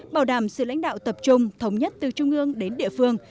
bảo đảm sự lãnh đạo tập trung thống nhất từ trung ương đến địa phương